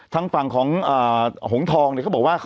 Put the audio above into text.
ทางฝั่งของหงทองเนี่ยเขาบอกว่า